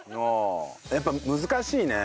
やっぱ難しいね。